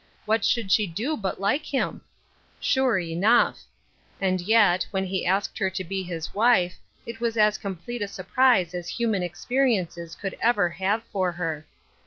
What should she do but like him ? Sure enough I And yet, when he asked her to be his wife, it was as complete a surprise as human ex periences could ever have for her.